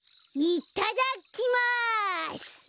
いただきます。